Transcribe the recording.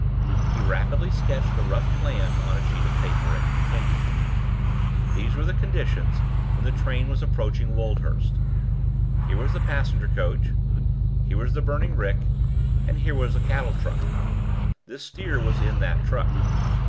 He rapidly sketched a rough plan on a sheet of paper, and continued: "These were the conditions when the train was approaching Woldhurst: Here was the passenger coach, here was the burning rick, and here was a cattle truck. This steer was in that truck.